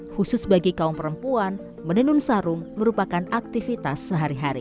khusus bagi kaum perempuan menenun sarung merupakan aktivitas sehari hari